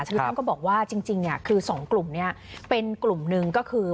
คือท่านก็บอกว่าจริงคือสองกลุ่มนี้เป็นกลุ่มหนึ่งก็คือ